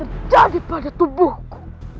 jangan lupa like share dan subscribe